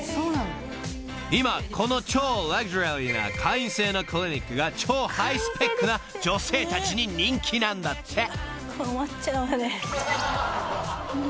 ［今この超ラグジュアリーな会員制のクリニックが超ハイスペックな女性たちに人気なんだって］こんにちは。